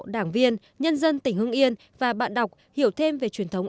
đảng viên nhân dân tỉnh hương nghiên và bạn đọc hiểu thêm về truyền thống